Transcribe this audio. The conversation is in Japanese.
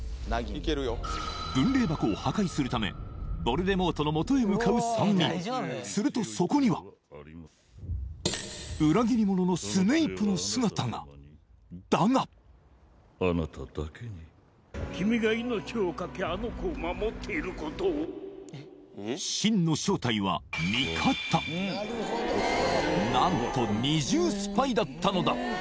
分霊箱を破壊するためヴォルデモートのもとへ向かう３人するとそこには裏切り者のスネイプの姿がだがあなただけに真の正体は味方何と二重スパイだったのだ！